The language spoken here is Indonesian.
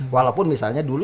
walaupun misalnya dulu